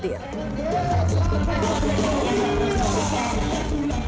ketika mereka menangkap mereka berpikir bahwa mereka akan menangkap